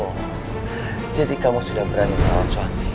oh jadi kamu sudah berani melawan suami